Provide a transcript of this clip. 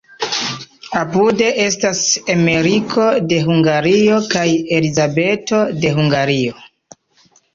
Apude estas Emeriko de Hungario kaj Elizabeto de Hungario.